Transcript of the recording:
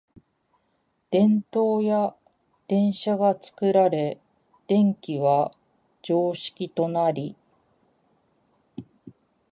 電燈や電車が作られて電気は常識となり、